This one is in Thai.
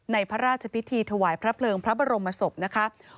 พระราชพิธีถวายพระเพลิงพระบรมศพนะคะ